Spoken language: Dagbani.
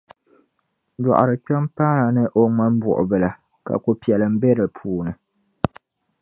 Dɔɣirikpɛma paana ni o ŋmambuɣibila ka ko'piɛlim be di puuni.